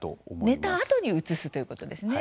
寝たあとに移すということですね。